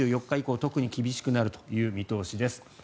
２４日以降、特に厳しくなるという見通しです。